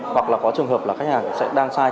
hoặc là có trường hợp là khách hàng sẽ đang sai